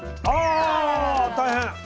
あ大変。